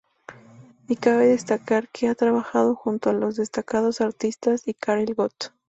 Y cabe destacar que ha trabajado junto a los destacados artistas y Karel Gott.